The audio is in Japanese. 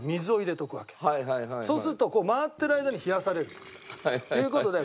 そうするとこう回ってる間に冷やされるという事で。